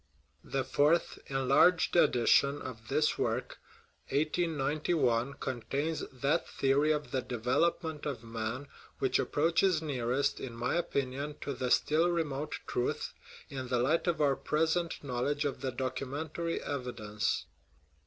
The fourth, enlarged, edition of this work (1891) contains that theory of the development of man which approaches nearest, in my own opinion, to the still remote truth, in the light of our present knowledge of the documentary evidence.